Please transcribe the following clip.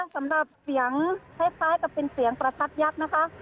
สำหรับเสียงคล้ายกับเป็นเสียงประทัดยักษ์นะคะ